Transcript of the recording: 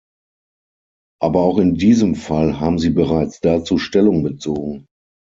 Aber auch in diesem Fall haben Sie bereits dazu Stellung bezogen.